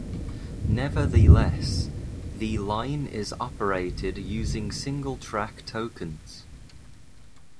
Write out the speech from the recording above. Nevertheless, the line is operated using single track tokens.